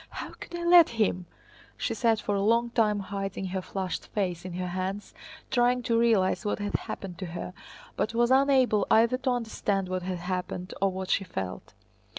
"How could I let him?" She sat for a long time hiding her flushed face in her hands trying to realize what had happened to her, but was unable either to understand what had happened or what she felt.